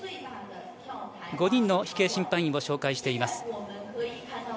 ５人の飛型審判員をご紹介しています。